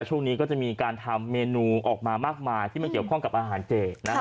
ช่วงนี้ก็จะมีการทำเมนูออกมามากมายที่มันเกี่ยวข้องกับอาหารเจ